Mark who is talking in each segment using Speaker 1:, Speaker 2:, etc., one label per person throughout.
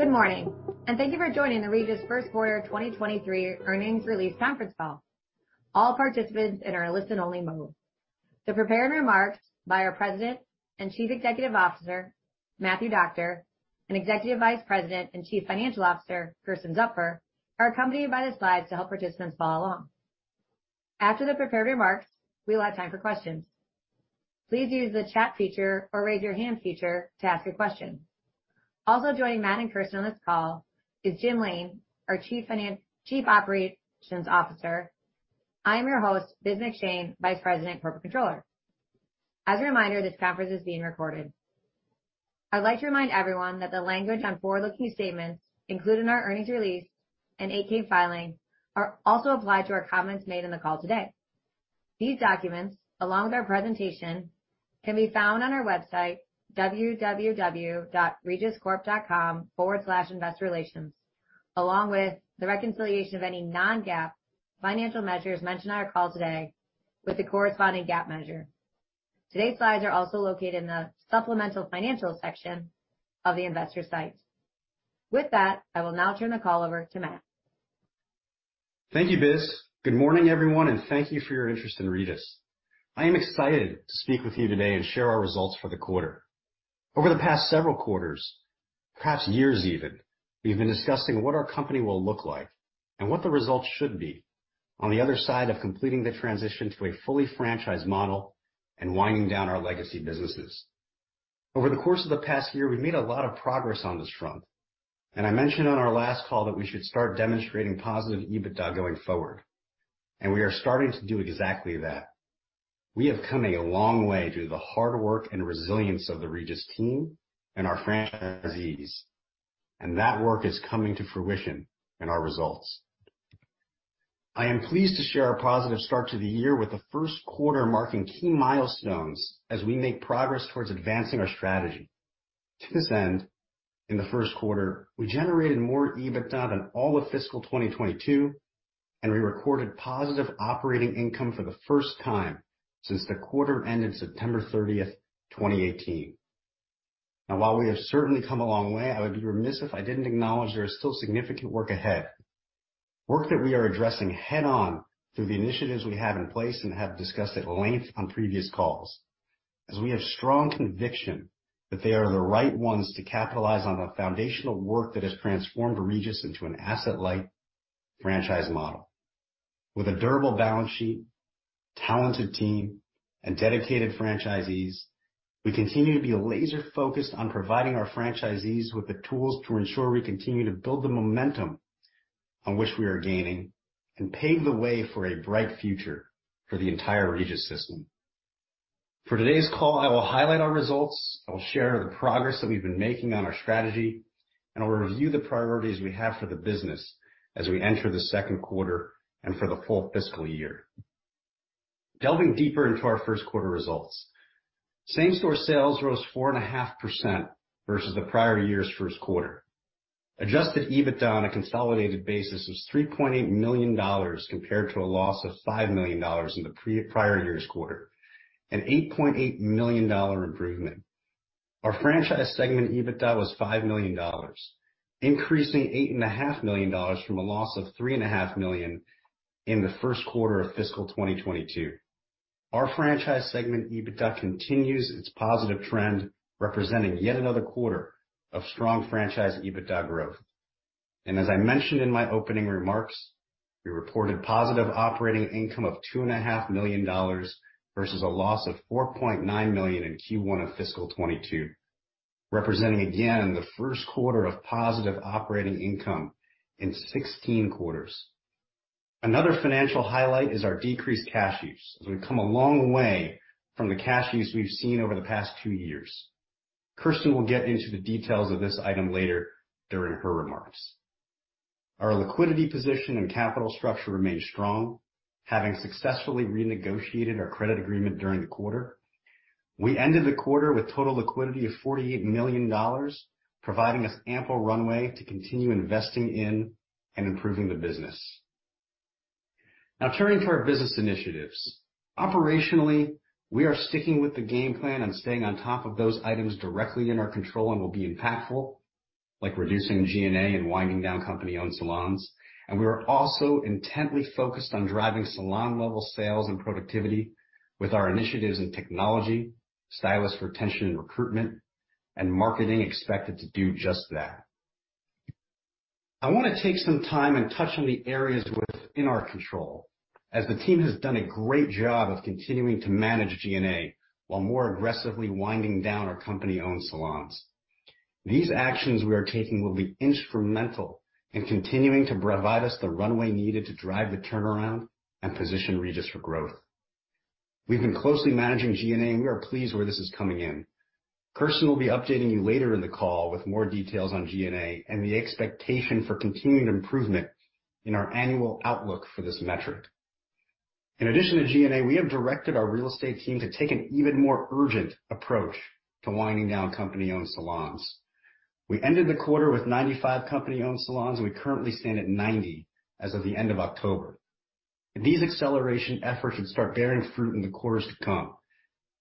Speaker 1: Good morning, and thank you for joining the Regis First Quarter 2023 Earnings Release Conference Call. All participants in our listen only mode. The prepared remarks by our President and Chief Executive Officer, Matthew Doctor, and Executive Vice President and Chief Financial Officer, Kersten Zupfer, are accompanied by the slides to help participants follow along. After the prepared remarks, we will have time for questions. Please use the chat feature or raise your hand feature to ask a question. Also joining Matt and Kersten on this call is Jim Lain, our Chief Operations Officer. I am your host, Biz McShane, Vice President Corporate Controller. As a reminder, this conference is being recorded. I'd like to remind everyone that the language on forward-looking statements included in our earnings release and 8-K filing are also applied to our comments made in the call today. These documents, along with our presentation, can be found on our website, www.regiscorp.com/investorrelations, along with the reconciliation of any non-GAAP financial measures mentioned on our call today with the corresponding GAAP measure. Today's slides are also located in the supplemental financial section of the investor site. With that, I will now turn the call over to Matt.
Speaker 2: Thank you, Biz. Good morning, everyone, and thank you for your interest in Regis. I am excited to speak with you today and share our results for the quarter. Over the past several quarters, perhaps years even, we've been discussing what our company will look like and what the results should be on the other side of completing the transition to a fully franchised model and winding down our legacy businesses. Over the course of the past year, we've made a lot of progress on this front, and I mentioned on our last call that we should start demonstrating positive EBITDA going forward, and we are starting to do exactly that. We have come a long way due to the hard work and resilience of the Regis team and our franchisees, and that work is coming to fruition in our results. I am pleased to share our positive start to the year with the first quarter marking key milestones as we make progress towards advancing our strategy. To this end, in the first quarter, we generated more EBITDA than all of fiscal 2022, and we recorded positive operating income for the first time since the quarter ended September 30, 2018. Now, while we have certainly come a long way, I would be remiss if I didn't acknowledge there is still significant work ahead, work that we are addressing head on through the initiatives we have in place and have discussed at length on previous calls, as we have strong conviction that they are the right ones to capitalize on the foundational work that has transformed Regis into an asset-light franchise model. With a durable balance sheet, talented team, and dedicated franchisees, we continue to be laser-focused on providing our franchisees with the tools to ensure we continue to build the momentum on which we are gaining and pave the way for a bright future for the entire Regis system. For today's call, I will highlight our results, I will share the progress that we've been making on our strategy, and I will review the priorities we have for the business as we enter the second quarter and for the full fiscal year. Delving deeper into our first quarter results. Same-store sales rose 4.5% versus the prior year's first quarter. Adjusted EBITDA on a consolidated basis was $3.8 million compared to a loss of $5 million in the prior year's quarter, an $8.8 million improvement. Our franchise segment EBITDA was $5 million, increasing $8.5 million from a loss of $3.5 million in the first quarter of fiscal 2022. Our franchise segment EBITDA continues its positive trend, representing yet another quarter of strong franchise EBITDA growth. As I mentioned in my opening remarks, we reported positive operating income of $2.5 million versus a loss of $4.9 million in Q1 of fiscal 2022, representing again the first quarter of positive operating income in 16 quarters. Another financial highlight is our decreased cash use, as we've come a long way from the cash use we've seen over the past two years. Kersten will get into the details of this item later during her remarks. Our liquidity position and capital structure remain strong, having successfully renegotiated our credit agreement during the quarter. We ended the quarter with total liquidity of $48 million, providing us ample runway to continue investing in and improving the business. Now turning to our business initiatives. Operationally, we are sticking with the game plan and staying on top of those items directly in our control and will be impactful, like reducing G&A and winding down company-owned salons. We are also intently focused on driving salon-level sales and productivity with our initiatives in technology, stylist retention and recruitment, and marketing expected to do just that. I wanna take some time and touch on the areas within our control, as the team has done a great job of continuing to manage G&A while more aggressively winding down our company-owned salons. These actions we are taking will be instrumental in continuing to provide us the runway needed to drive the turnaround and position Regis for growth. We've been closely managing G&A, and we are pleased where this is coming in. Kersten will be updating you later in the call with more details on G&A and the expectation for continued improvement in our annual outlook for this metric. In addition to G&A, we have directed our real estate team to take an even more urgent approach to winding down company-owned salons. We ended the quarter with 95 company-owned salons. We currently stand at 90 as of the end of October. These acceleration efforts should start bearing fruit in the quarters to come,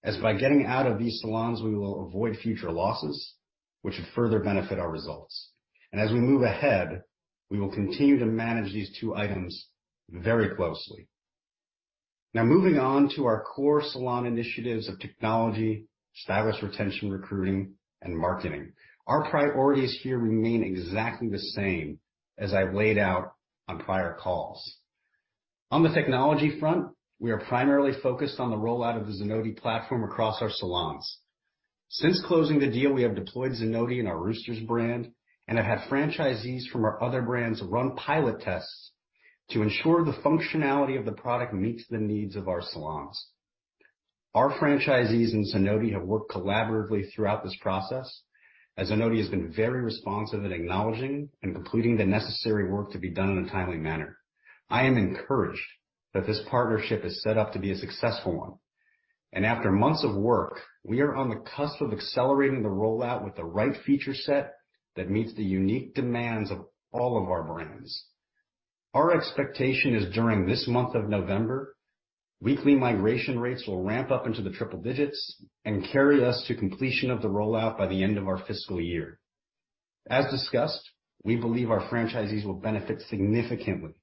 Speaker 2: as by getting out of these salons, we will avoid future losses, which should further benefit our results. As we move ahead, we will continue to manage these two items very closely. Now moving on to our core salon initiatives of technology, stylist retention recruiting, and marketing. Our priorities here remain exactly the same as I've laid out on prior calls. On the technology front, we are primarily focused on the rollout of the Zenoti platform across our salons. Since closing the deal, we have deployed Zenoti in our Roosters brand and have had franchisees from our other brands run pilot tests to ensure the functionality of the product meets the needs of our salons. Our franchisees and Zenoti have worked collaboratively throughout this process, as Zenoti has been very responsive in acknowledging and completing the necessary work to be done in a timely manner. I am encouraged that this partnership is set up to be a successful one, and after months of work, we are on the cusp of accelerating the rollout with the right feature set that meets the unique demands of all of our brands. Our expectation is during this month of November, weekly migration rates will ramp up into the triple digits and carry us to completion of the rollout by the end of our fiscal year. As discussed, we believe our franchisees will benefit significantly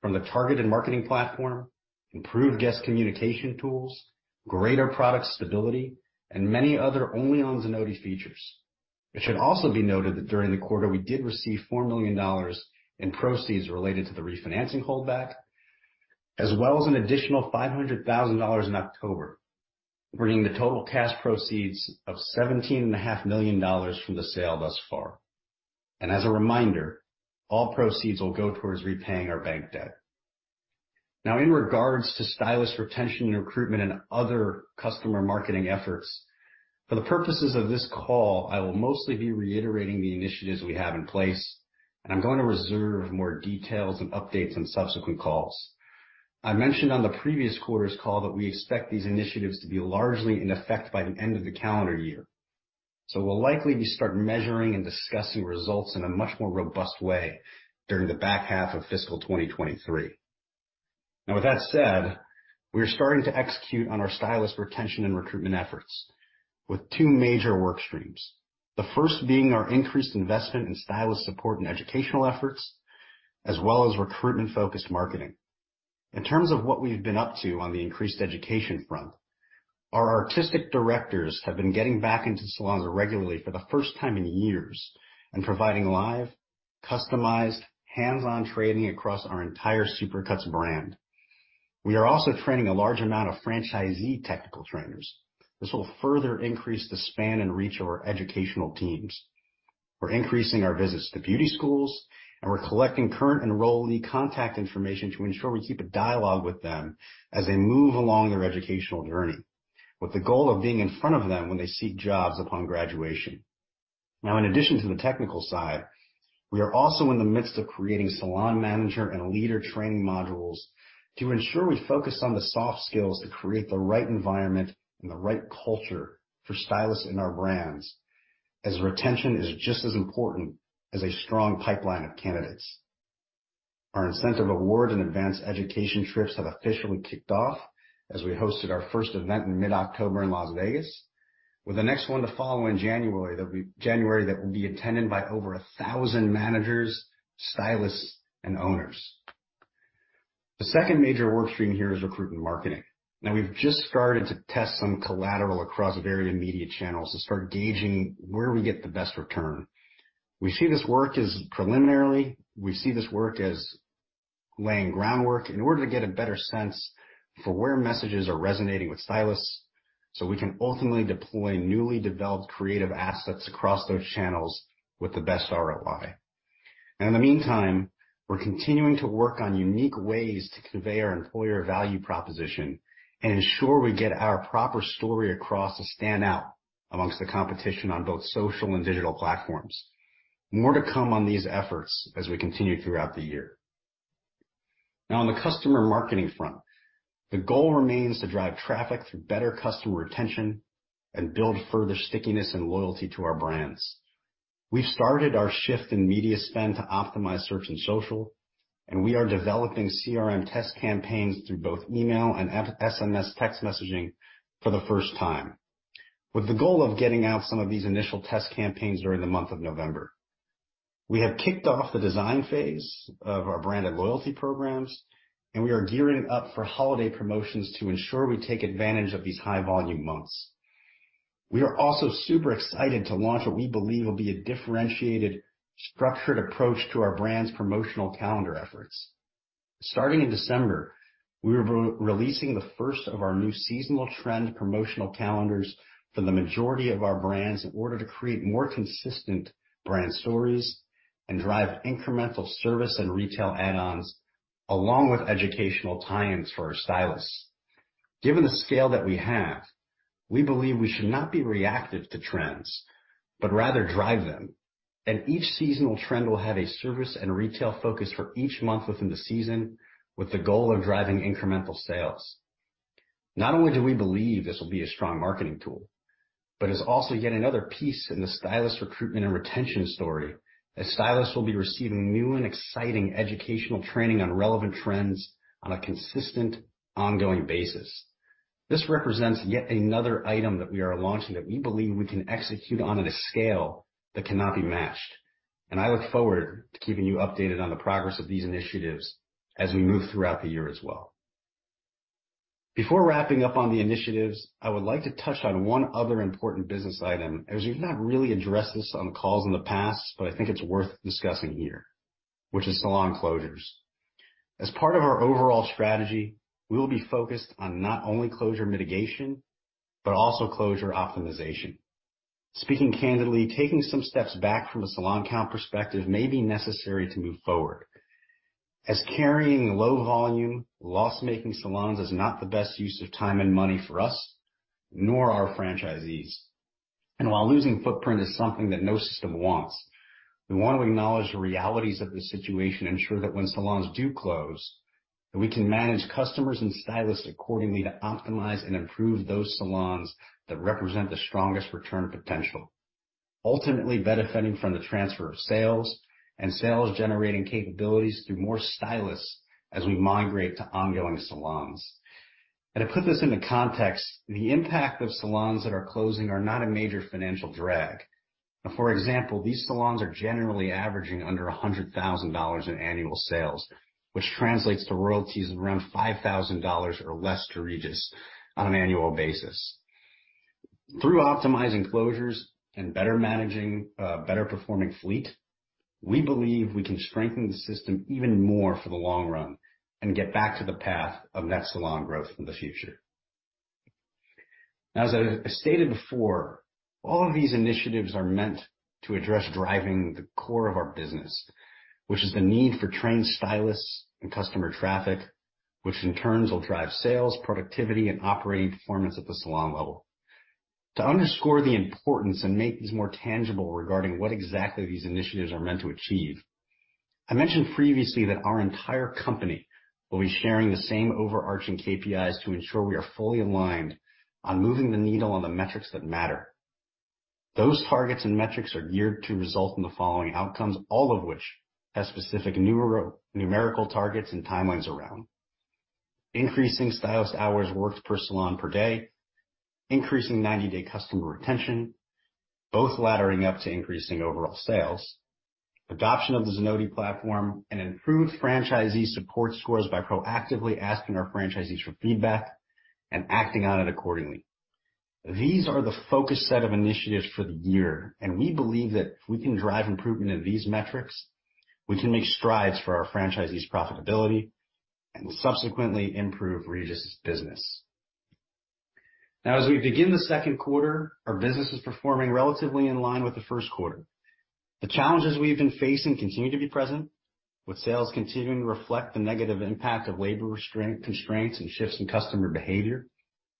Speaker 2: from the targeted marketing platform, improved guest communication tools, greater product stability, and many other only on Zenoti features. It should also be noted that during the quarter, we did receive $4 million in proceeds related to the refinancing holdback, as well as an additional $500 thousand in October, bringing the total cash proceeds of $17.5 million from the sale thus far. As a reminder, all proceeds will go towards repaying our bank debt. In regards to stylist retention and recruitment and other customer marketing efforts, for the purposes of this call, I will mostly be reiterating the initiatives we have in place, and I'm going to reserve more details and updates on subsequent calls. I mentioned on the previous quarter's call that we expect these initiatives to be largely in effect by the end of the calendar year. We'll likely be starting measuring and discussing results in a much more robust way during the back half of fiscal 2023. Now, with that said, we are starting to execute on our stylist retention and recruitment efforts with two major work streams. The first being our increased investment in stylist support and educational efforts, as well as recruitment-focused marketing. In terms of what we've been up to on the increased education front, our artistic directors have been getting back into salons regularly for the first time in years and providing live, customized, hands-on training across our entire Supercuts brand. We are also training a large amount of franchisee technical trainers. This will further increase the span and reach of our educational teams. We're increasing our visits to beauty schools, and we're collecting current enrollee contact information to ensure we keep a dialogue with them as they move along their educational journey, with the goal of being in front of them when they seek jobs upon graduation. Now in addition to the technical side, we are also in the midst of creating salon manager and leader training modules to ensure we focus on the soft skills to create the right environment and the right culture for stylists in our brands, as retention is just as important as a strong pipeline of candidates. Our incentive awards and advanced education trips have officially kicked off as we hosted our first event in mid-October in Las Vegas, with the next one to follow in January that will be attended by over 1,000 managers, stylists and owners. The second major work stream here is recruitment marketing. Now we've just started to test some collateral across varied media channels to start gauging where we get the best return. Preliminarily, we see this work as laying groundwork in order to get a better sense for where messages are resonating with stylists, so we can ultimately deploy newly developed creative assets across those channels with the best ROI. Now in the meantime, we're continuing to work on unique ways to convey our employer value proposition and ensure we get our proper story across to stand out amongst the competition on both social and digital platforms. More to come on these efforts as we continue throughout the year. Now on the customer marketing front, the goal remains to drive traffic through better customer retention and build further stickiness and loyalty to our brands. We've started our shift in media spend to optimize search and social, and we are developing CRM test campaigns through both email and SMS text messaging for the first time, with the goal of getting out some of these initial test campaigns during the month of November. We have kicked off the design phase of our branded loyalty programs, and we are gearing up for holiday promotions to ensure we take advantage of these high-volume months. We are also super excited to launch what we believe will be a differentiated, structured approach to our brand's promotional calendar efforts. Starting in December, we are re-releasing the first of our new seasonal trend promotional calendars for the majority of our brands in order to create more consistent brand stories and drive incremental service and retail add-ons along with educational tie-ins for our stylists. Given the scale that we have, we believe we should not be reactive to trends, but rather drive them. Each seasonal trend will have a service and retail focus for each month within the season with the goal of driving incremental sales. Not only do we believe this will be a strong marketing tool, but it's also yet another piece in the stylist recruitment and retention story, as stylists will be receiving new and exciting educational training on relevant trends on a consistent, ongoing basis. This represents yet another item that we are launching that we believe we can execute on at a scale that cannot be matched. I look forward to keeping you updated on the progress of these initiatives as we move throughout the year as well. Before wrapping up on the initiatives, I would like to touch on one other important business item, as we've not really addressed this on calls in the past, but I think it's worth discussing here, which is salon closures. As part of our overall strategy, we will be focused on not only closure mitigation, but also closure optimization. Speaking candidly, taking some steps back from a salon count perspective may be necessary to move forward, as carrying low volume, loss-making salons is not the best use of time and money for us, nor our franchisees. While losing footprint is something that no system wants, we want to acknowledge the realities of the situation, ensure that when salons do close, that we can manage customers and stylists accordingly to optimize and improve those salons that represent the strongest return potential, ultimately benefiting from the transfer of sales and sales-generating capabilities through more stylists as we migrate to ongoing salons. To put this into context, the impact of salons that are closing are not a major financial drag. Now, for example, these salons are generally averaging under $100,000 in annual sales, which translates to royalties of around $5,000 or less to Regis on an annual basis. Through optimizing closures and better managing a better performing fleet, we believe we can strengthen the system even more for the long run and get back to the path of net salon growth in the future. Now, as I stated before, all of these initiatives are meant to address driving the core of our business, which is the need for trained stylists and customer traffic, which in turn will drive sales, productivity, and operating performance at the salon level. To underscore the importance and make these more tangible regarding what exactly these initiatives are meant to achieve, I mentioned previously that our entire company will be sharing the same overarching KPIs to ensure we are fully aligned on moving the needle on the metrics that matter. Those targets and metrics are geared to result in the following outcomes, all of which have specific numerical targets and timelines around. Increasing stylist hours worked per salon per day, increasing 90-day customer retention, both laddering up to increasing overall sales, adoption of the Zenoti platform, and improved franchisee support scores by proactively asking our franchisees for feedback and acting on it accordingly. These are the focused set of initiatives for the year, and we believe that if we can drive improvement in these metrics, we can make strides for our franchisees' profitability and will subsequently improve Regis' business. Now, as we begin the second quarter, our business is performing relatively in line with the first quarter. The challenges we've been facing continue to be present, with sales continuing to reflect the negative impact of labor constraints and shifts in customer behavior,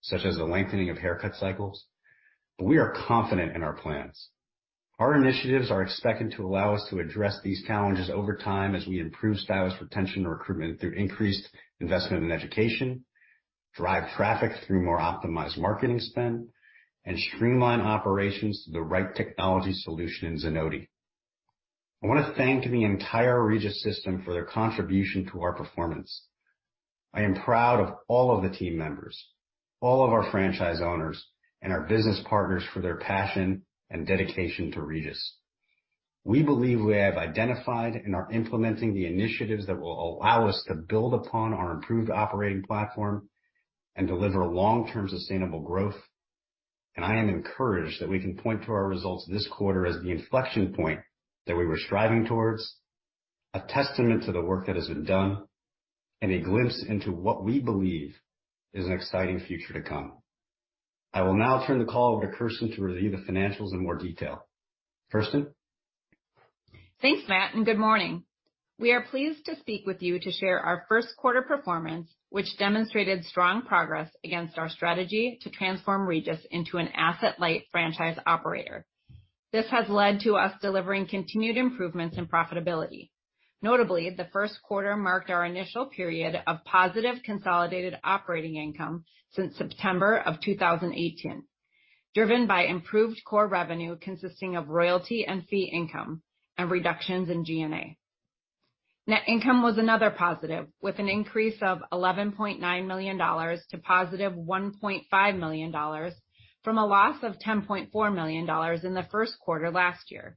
Speaker 2: such as the lengthening of haircut cycles, but we are confident in our plans. Our initiatives are expected to allow us to address these challenges over time as we improve stylist retention and recruitment through increased investment in education, drive traffic through more optimized marketing spend, and streamline operations to the right technology solution in Zenoti. I wanna thank the entire Regis system for their contribution to our performance. I am proud of all of the team members, all of our franchise owners, and our business partners for their passion and dedication to Regis. We believe we have identified and are implementing the initiatives that will allow us to build upon our improved operating platform and deliver long-term sustainable growth. I am encouraged that we can point to our results this quarter as the inflection point that we were striving towards, a testament to the work that has been done, and a glimpse into what we believe is an exciting future to come. I will now turn the call over to Kersten to review the financials in more detail. Kersten?
Speaker 3: Thanks, Matt, and good morning. We are pleased to speak with you to share our first quarter performance, which demonstrated strong progress against our strategy to transform Regis into an asset-light franchise operator. This has led to us delivering continued improvements in profitability. Notably, the first quarter marked our initial period of positive consolidated operating income since September 2018, driven by improved core revenue consisting of royalty and fee income and reductions in G&A. Net income was another positive, with an increase of $11.9 million to +$1.5 million from a loss of $10.4 million in the first quarter last year.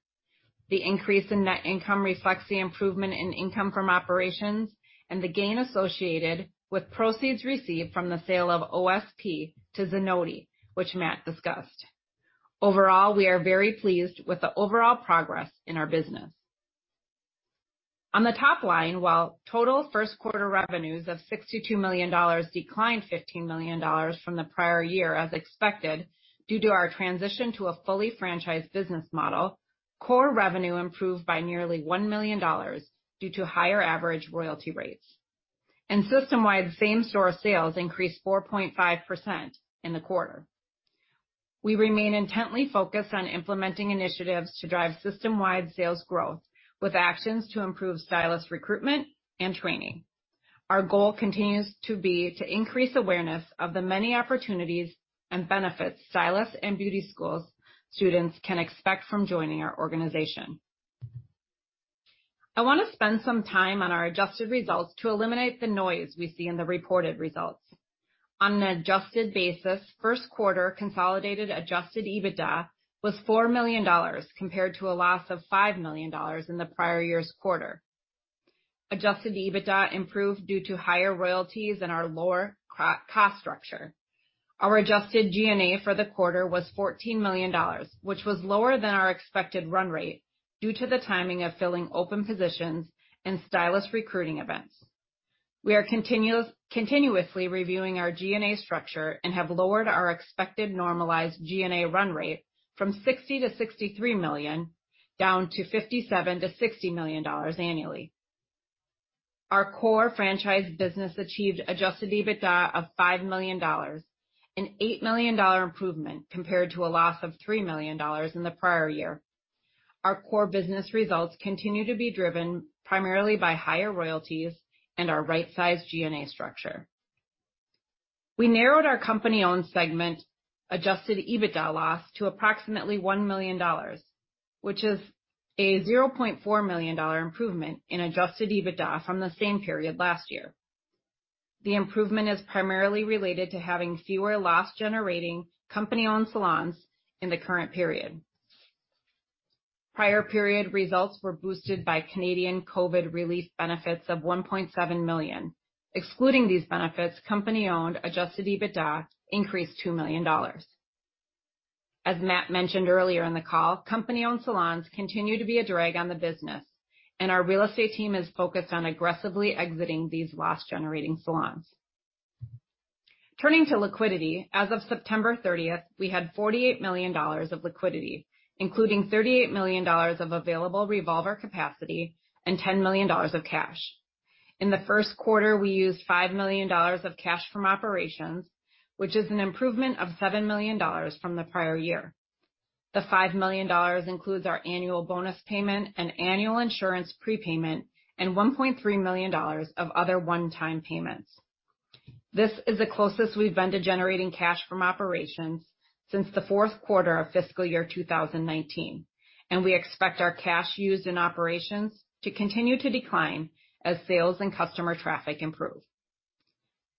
Speaker 3: The increase in net income reflects the improvement in income from operations and the gain associated with proceeds received from the sale of OSP to Zenoti, which Matt discussed. Overall, we are very pleased with the overall progress in our business. On the top line, while total first quarter revenues of $62 million declined $15 million from the prior year as expected due to our transition to a fully franchised business model, core revenue improved by nearly $1 million due to higher average royalty rates. System-wide same-store sales increased 4.5% in the quarter. We remain intently focused on implementing initiatives to drive system-wide sales growth with actions to improve stylist recruitment and training. Our goal continues to be to increase awareness of the many opportunities and benefits stylists and beauty schools students can expect from joining our organization. I wanna spend some time on our adjusted results to eliminate the noise we see in the reported results. On an adjusted basis, first quarter consolidated adjusted EBITDA was $4 million compared to a loss of $5 million in the prior year's quarter. Adjusted EBITDA improved due to higher royalties and our lower cost structure. Our adjusted G&A for the quarter was $14 million, which was lower than our expected run rate due to the timing of filling open positions and stylist recruiting events. We are continuously reviewing our G&A structure and have lowered our expected normalized G&A run rate from $60 million-$63 million, down to $57 million-$60 million annually. Our core franchise business achieved adjusted EBITDA of $5 million, an $8 million improvement compared to a loss of $3 million in the prior year. Our core business results continue to be driven primarily by higher royalties and our right-sized G&A structure. We narrowed our company-owned segment adjusted EBITDA loss to approximately $1 million, which is a $0.4 million improvement in adjusted EBITDA from the same period last year. The improvement is primarily related to having fewer loss-generating company-owned salons in the current period. Prior period results were boosted by Canadian COVID relief benefits of $1.7 million. Excluding these benefits, company-owned adjusted EBITDA increased $2 million. As Matt mentioned earlier in the call, company-owned salons continue to be a drag on the business, and our real estate team is focused on aggressively exiting these loss-generating salons. Turning to liquidity, as of September 30, we had $48 million of liquidity, including $38 million of available revolver capacity and $10 million of cash. In the first quarter, we used $5 million of cash from operations, which is an improvement of $7 million from the prior year. The $5 million includes our annual bonus payment and annual insurance prepayment and $1.3 million of other one-time payments. This is the closest we've been to generating cash from operations since the fourth quarter of fiscal year 2019, and we expect our cash used in operations to continue to decline as sales and customer traffic improve.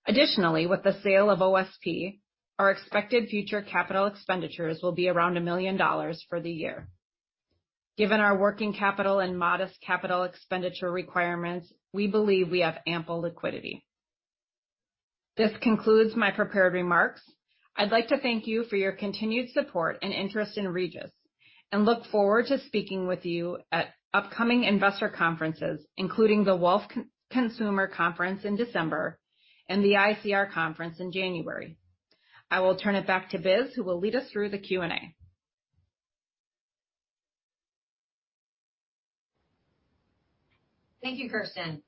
Speaker 3: Additionally, with the sale of OSP, our expected future capital expenditures will be around $1 million for the year. Given our working capital and modest capital expenditure requirements, we believe we have ample liquidity. This concludes my prepared remarks. I'd like to thank you for your continued support and interest in Regis and look forward to speaking with you at upcoming investor conferences, including the Wolfe Research Consumer Conference in December and the ICR Conference in January. I will turn it back to Biz, who will lead us through the Q&A.
Speaker 1: Thank you, Kersten.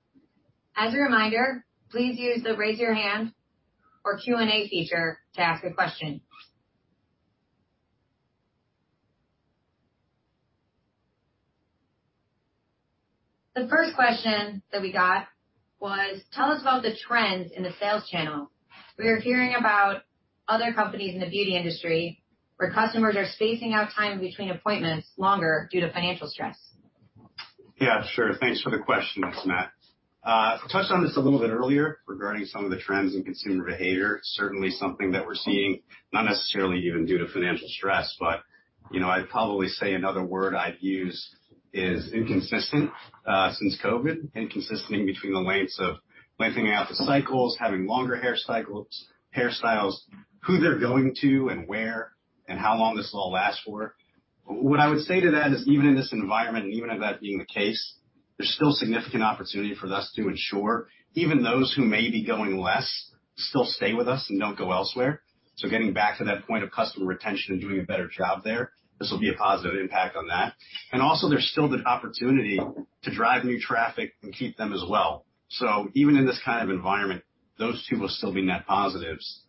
Speaker 1: As a reminder, please use the raise your hand or Q&A feature to ask a question. The first question that we got was, tell us about the trends in the sales channel. We are hearing about other companies in the beauty industry where customers are spacing out time between appointments longer due to financial stress.
Speaker 2: Yeah, sure. Thanks for the question. It's Matt. Touched on this a little bit earlier regarding some of the trends in consumer behavior. Certainly, something that we're seeing, not necessarily even due to financial stress, but, you know, I'd probably say another word I'd use is inconsistent, since COVID. Inconsistent between the lengths of lengthening out the cycles, having longer hair cycles, hairstyles, who they're going to and where and how long this will all last for. What I would say to that is, even in this environment, and even with that being the case, there's still significant opportunity for us to ensure even those who may be going less still stay with us and don't go elsewhere. Getting back to that point of customer retention and doing a better job there, this will be a positive impact on that. Also, there's still the opportunity to drive new traffic and keep them as well. Even in this kind of environment, those two will still be net positives.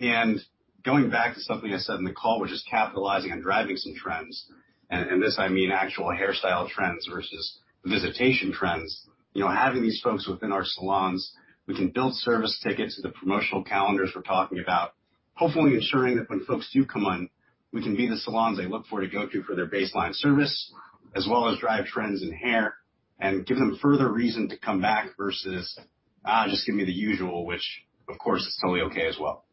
Speaker 2: Going back to something I said in the call, which is capitalizing on driving some trends, and this I mean actual hairstyle trends versus visitation trends. You know, having these folks within our salons, we can build service tickets to the promotional calendars we're talking about. Hopefully ensuring that when folks do come on, we can be the salons they look for to go to for their baseline service, as well as drive trends in hair and give them further reason to come back versus, "Ah, just give me the usual," which of course is totally okay as well.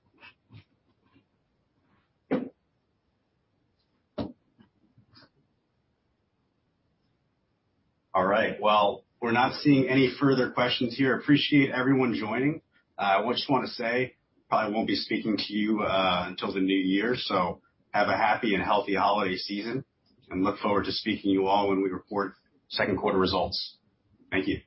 Speaker 2: All right, well, we're not seeing any further questions here. Appreciate everyone joining. I just wanna say, probably won't be speaking to you until the new year, so have a happy and healthy holiday season, and look forward to speaking to you all when we report second quarter results. Thank you.